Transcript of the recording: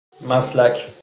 مسلک